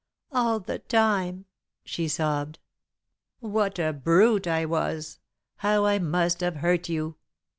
"All the time," she sobbed. "What a brute I was! How I must have hurt you!"